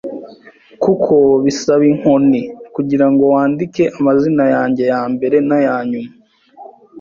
kuko bisaba inkoni kugirango wandike amazina yanjye yambere nayanyuma.